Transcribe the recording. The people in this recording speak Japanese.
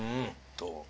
どう？